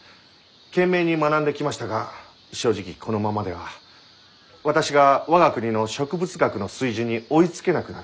懸命に学んできましたが正直このままでは私が我が国の植物学の水準に追いつけなくなる。